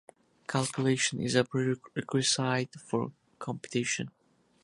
Calculation is a prerequisite for computation.